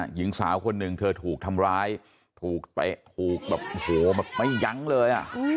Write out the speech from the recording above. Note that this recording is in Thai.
หญิงสาวคนหนึ่งเธอถูกทำร้ายถูกแบบไม่ยั้งเลย